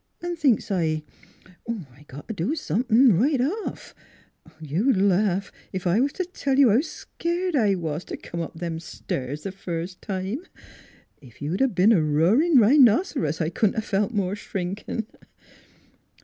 An' thinks s' I, I got t' do somethin' right off. ... You'd laff if I was t' tell you how skeered I was t' come up them stairs th' first time. Ef you'd a' b'en a roarin' rhinoc'rus I couldn't 'a' felt more shrinkin'."